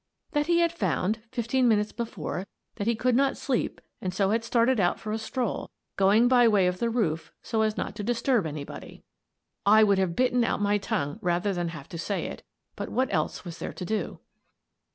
" That he had found, fifteen minutes before, that he could not sleep and so had started out for a stroll, going by way of the roof so as not to dis turb anybody." I would have bitten out my tongue rather than have to say it, but what else was there to do?